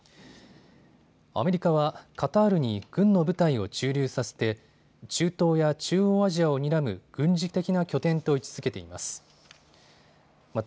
アメリカはカタールに軍の部隊を駐留させて中東や中央アジアをにらむ軍事的な拠点と位置づけています。